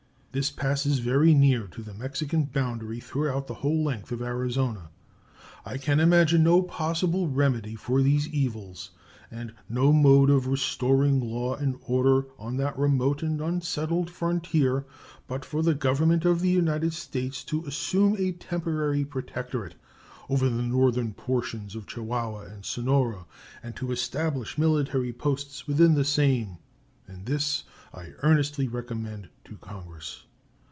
This passes very near to the Mexican boundary throughout the whole length of Arizona. I can imagine no possible remedy for these evils and no mode of restoring law and order on that remote and unsettled frontier but for the Government of the United States to assume a temporary protectorate over the northern portions of Chihuahua and Sonora and to establish military posts within the same; and this I earnestly recommend to Congress.